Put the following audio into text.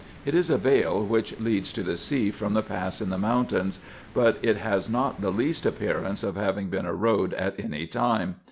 It is a vale which leads to the sea from the pass in the mountains ; but it has not the least appearance of having been a road at any time.